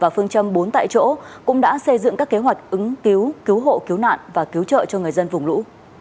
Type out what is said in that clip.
và phương châm bốn tại chỗ cũng đã xây dựng các kế hoạch ứng cứu hộ cứu nạn và cứu trợ cho người dân vùng lũ